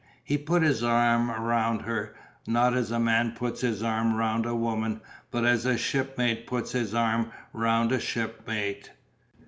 He put his arm round her, not as a man puts his arm round a woman, but as a shipmate puts his arm round a shipmate.